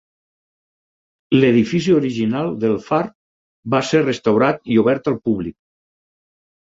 L'edifici original del far va ser restaurat i obert al públic.